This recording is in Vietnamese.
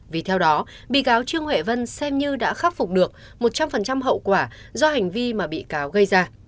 vì theo đó bị cáo trương huệ vân xem như đã khắc phục được một trăm linh hậu quả do hành vi mà bị cáo gây ra